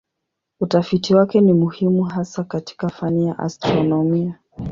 Utafiti wake ni muhimu hasa katika fani ya astronomia.